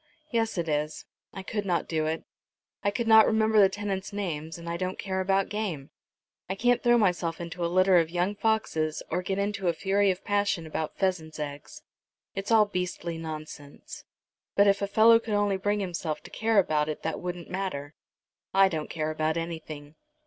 "Yes, it is. I could not do it. I could not remember the tenants' names, and I don't care about game. I can't throw myself into a litter of young foxes, or get into a fury of passion about pheasants' eggs. It's all beastly nonsense, but if a fellow could only bring himself to care about it that wouldn't matter. I don't care about anything."